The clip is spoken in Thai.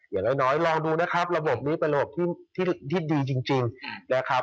อย่างน้อยลองดูนะครับระบบนี้เป็นระบบที่ดีจริงนะครับ